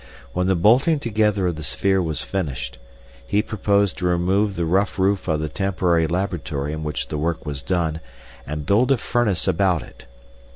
When the bolting together of the sphere was finished, he proposed to remove the rough roof of the temporary laboratory in which the work was done, and build a furnace about it.